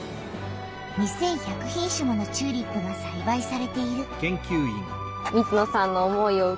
２，１００品種ものチューリップがさいばいされている。